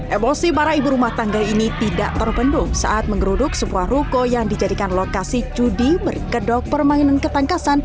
emosi para ibu rumah tangga ini tidak terbendung saat mengeruduk sebuah ruko yang dijadikan lokasi judi berkedok permainan ketangkasan